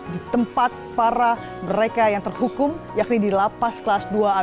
di tempat para mereka yang terhukum yakni di lapas kelas dua a